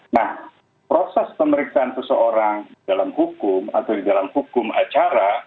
nah proses pemeriksaan seseorang dalam hukum atau di dalam hukum acara